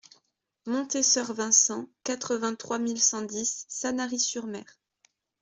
Montée Soeur Vincent, quatre-vingt-trois mille cent dix Sanary-sur-Mer